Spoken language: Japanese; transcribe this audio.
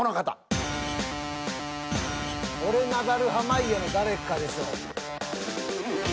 俺ナダル濱家の誰かでしょう。